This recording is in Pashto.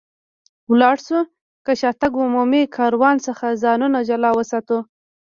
ولاړ شو، له شاتګ عمومي کاروان څخه ځانونه جلا وساتو.